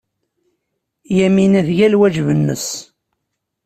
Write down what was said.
Yamina tga lwajeb-nnes.